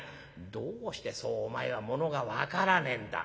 「どうしてそうお前はものが分からねえんだ。